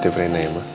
tetep tetep rena ya ma